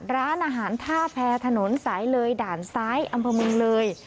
ร้านอาหารท่าแพ้ถนนสายเลยด่านซ้ายอัมพมึงเลย